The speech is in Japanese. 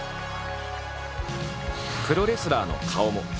プロレスラーの顔も。